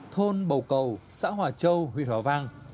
thôn bầu cầu xã hòa châu huyện hòa vang